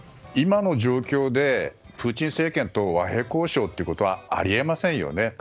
今の状況でプーチン政権と和平交渉ということはあり得ませんよね。